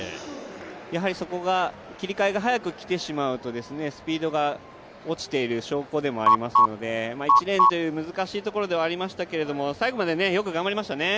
そこが切り替えが早く来てしまうとスピードが落ちている証拠でもありますので、１レーンという難しいところではありましたけど最後までよく頑張りましたね。